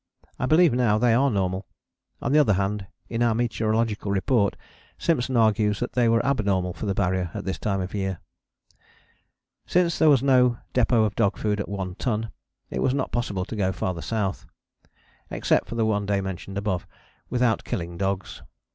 I believe now they are normal: on the other hand, in our meteorological report Simpson argues that they were abnormal for the Barrier at this time of year. Since there was no depôt of dog food at One Ton it was not possible to go farther South (except for the one day mentioned above) without killing dogs.